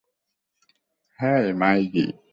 High, মেইজি।